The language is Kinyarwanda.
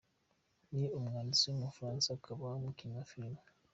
Ni umwanditsi w’umufaransa akaba n’umukinnyi wa filime.